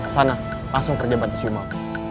sana langsung kerja bantu si umar